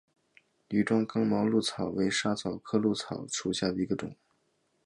羽状刚毛藨草为莎草科藨草属下的一个种。